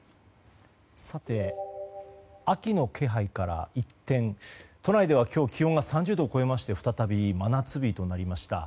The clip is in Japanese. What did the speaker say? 秋の気配から一転都内では今日気温が３０度を超えまして再び真夏日となりました。